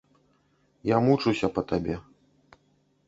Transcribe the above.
Я мучуся па табе.